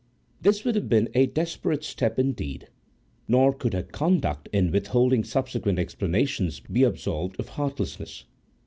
This would have been a desperate step indeed; nor could her conduct in withholding subsequent explanations be absolved of heartlessness.